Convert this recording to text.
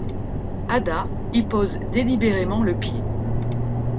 Ada y pose délibérément le pied.